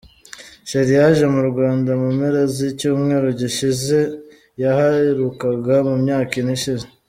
Sherrie yaje mu Rwanda mu mpera z’icyumweru gishize, yahaherukaga mu myaka ine ishize.